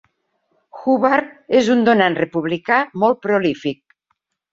Hubbard és un donant republicà molt prolífic.